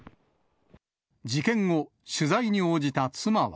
事件後、取材に応じた妻は。